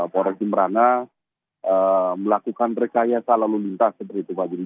para pemerana melakukan rekayasa lalu lintas seperti itu pak juri